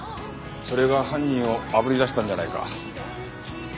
それが犯人をあぶり出したんじゃないか。